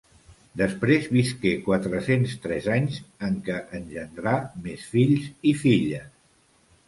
Després visqué quatre-cents tres anys, en què engendrà més fills i filles.